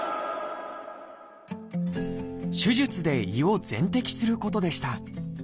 手術で胃を全摘することでした。